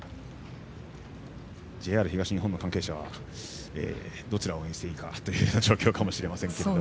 ＪＲ東日本の関係者はどちらを応援していいかという状況かもしれませんけれども。